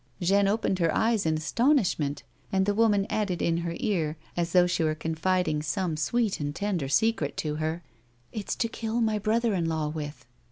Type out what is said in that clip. Jeanne opened her eyes in astonishment, and the woman added in her ear, as though she were confiding some sweet and tender secret to her :" It's to kill my brother in law with."